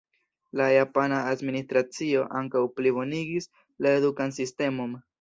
La japana administracio ankaŭ plibonigis la edukan sistemon.